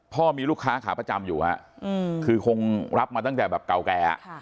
พ่อมีลูกค้าขาประจำอยู่ฮะคือคงรับมาตั้งแต่แบบเก่าแก่